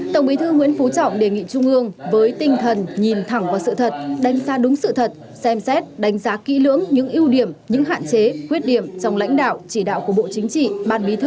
tổng bí thư nguyễn phú trọng đề nghị trung ương với tinh thần nhìn thẳng vào sự thật đánh giá đúng sự thật xem xét đánh giá kỹ lưỡng những ưu điểm những hạn chế khuyết điểm trong lãnh đạo chỉ đạo của bộ chính trị ban bí thư